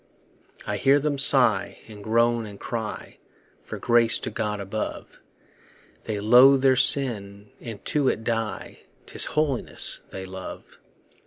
I hear them sigh, and groan, and cry For grace to God above; They loathe their sin, and to it die; 'Tis holiness they love.